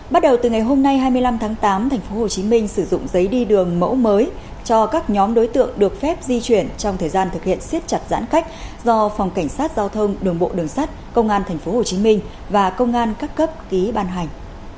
bắt đầu từ ngày hôm nay hai mươi năm tháng tám tp hcm sử dụng giấy đi đường mẫu mới cho các nhóm đối tượng được phép di chuyển trong thời gian thực hiện siết chặt giãn cách do phòng cảnh sát giao thông đường bộ đường sắt công an tp hcm và công an các cấp ký ban hành